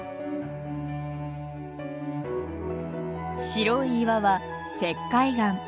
白い岩は石灰岩。